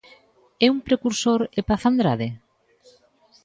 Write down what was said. É un precursor E Paz Andrade?